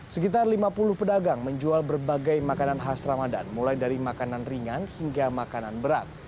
sekitar lima puluh pedagang menjual berbagai makanan khas ramadan mulai dari makanan ringan hingga makanan berat